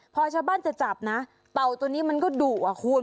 พอชาวบ้านจะจับนะเต่าตัวนี้มันก็ดุอ่ะคุณ